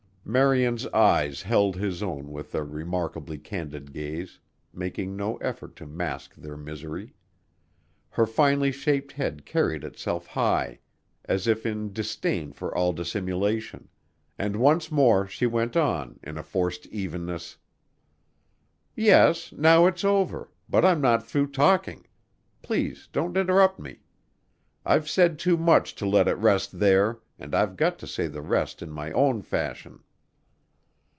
Marian's eyes held his own with their remarkably candid gaze, making no effort to mask their misery. Her finely shaped head carried itself high as if in disdain for all dissimulation, and once more she went on in a forced evenness: "Yes, now it's over, but I'm not through talking. Please don't interrupt me. I've said too much to let it rest there and I've got to say the rest in my own fashion."